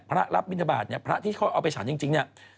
รับบินทบาทเนี่ยพระที่เขาเอาไปฉันจริงเนี่ย